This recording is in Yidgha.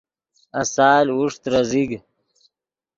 آسال اوݰ ترے زیگ